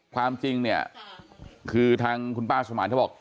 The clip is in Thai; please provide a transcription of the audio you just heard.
ความจริงเนี่ยคือทางคุณป้าสมานเขาบอก